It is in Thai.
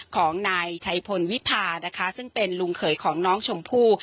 ของนายชัยพลวิพานะคะซึ่งเป็นลุงเขยของน้องชมพู่